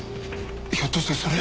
ひょっとしてそれ。